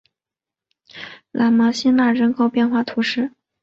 拉芒辛讷人口变化图示